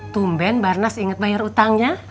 tumben barnas inget bayar utangnya